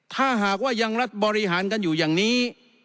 ถ้าหากว่ายังรัฐบริหารกันอยู่อย่างนี้